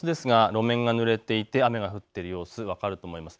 路面がぬれていて雨が降っている様子が分かると思います。